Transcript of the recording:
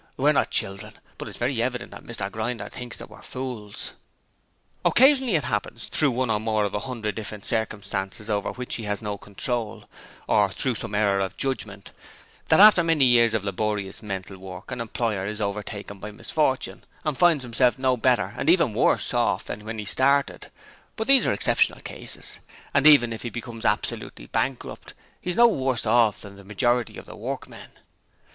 We are not children, but it is very evident that Mr Grinder thinks that we are fools. 'Occasionally it happens, through one or more of a hundred different circumstances over which he has no control, or through some error of judgement, that after many years of laborious mental work an employer is overtaken by misfortune, and finds himself no better and even worse off than when he started; but these are exceptional cases, and even if he becomes absolutely bankrupt he is no worse off than the majority of the workmen.